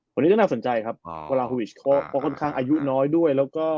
คนนี้ก็น่าสนใจครับวาลาฮอวิชเพราะค่อนข้างอายุน้อยด้วย